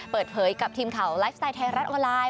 เปิดเผยกับทีมข่าวไลฟ์สไตล์ไทยรัฐออนไลน์